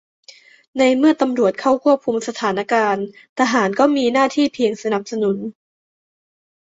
ในเมื่อตำรวจเข้าควบคุมสถานการณ์ ทหารก็มีหน้าที่เพียงสนับสนุน